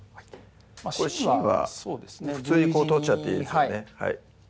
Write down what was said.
これ芯は普通に取っちゃっていいですよね